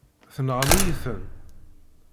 Tenɣam-iyi-ten.